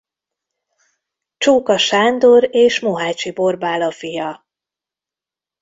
Csóka Sándor és Mohácsi Borbála fia.